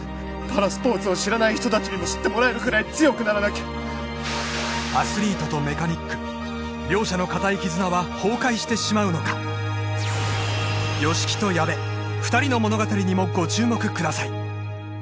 パラスポーツを知らない人達にも知ってもらえるぐらい強くならなきゃアスリートとメカニック両者の固い絆は崩壊してしまうのか吉木と矢部２人の物語にもご注目ください